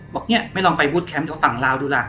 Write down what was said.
บอกเนี่ยไม่ลองไปบูธแคมป์แถวฝั่งลาวดูล่ะ